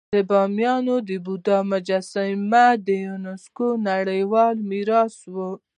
د بامیانو د بودا مجسمې د یونسکو نړیوال میراث وو